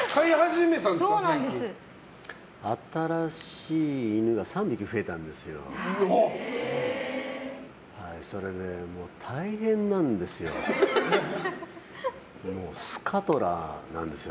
新しい犬が３匹増えたんですよ。